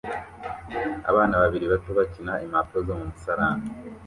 Abana babiri bato bakina impapuro zo mu musarani